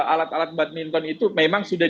alat alat badminton itu memang sudah